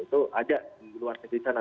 itu ada di luar negeri sana